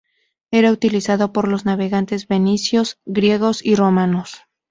Era utilizado por los navegantes fenicios, griegos y romanos.